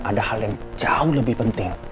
ada hal yang jauh lebih penting